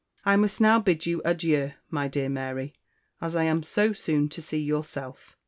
I must now bid you adieu, my dear. Mary, as I Am so soon to See yourself.